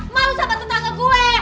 malu sama tetangga gue